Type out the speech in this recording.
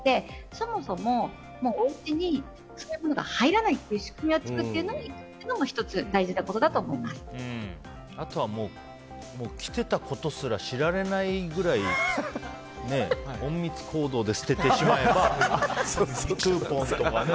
そもそもおうちにそういうものが入らないという仕組みを作るのもあとは来てたことすら知られないぐらい隠密行動で捨ててしまえばクーポンとかね。